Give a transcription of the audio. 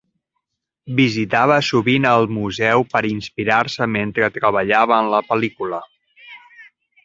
Visitava sovint el museu per inspirar-se mentre treballava en la pel·lícula.